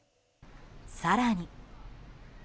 更に。